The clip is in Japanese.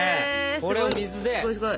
これを水で？